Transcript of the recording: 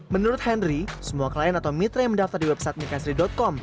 menurut henry semua klien atau mitra yang mendaftar di website mikasi com